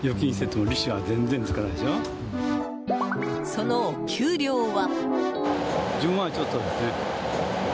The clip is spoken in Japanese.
そのお給料は。